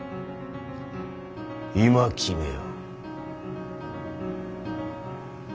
今決めよ。